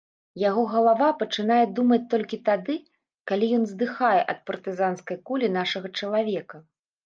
Яго галава пачынае думаць толькі тады, калі ён здыхае ад партызанскай кулі нашага чалавека.